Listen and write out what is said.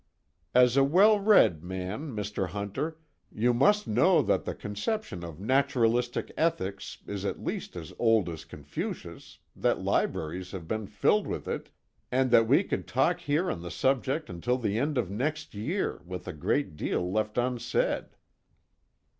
"As a well read man, Mr. Hunter, you must know that the conception of naturalistic ethics is at least as old as Confucius, that libraries have been filled with it, and that we could talk here on the subject until the end of next year with a great deal left unsaid."